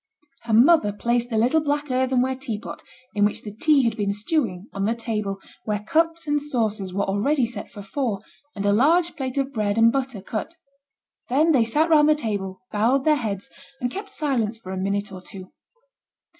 Her mother placed the little black earthenware teapot, in which the tea had been stewing, on the table, where cups and saucers were already set for four, and a large plate of bread and butter cut. Then they sate round the table, bowed their heads, and kept silence for a minute or two.